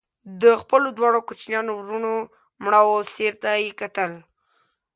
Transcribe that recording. د خپلو دواړو کوچنيانو وروڼو مړاوو څېرو ته يې کتل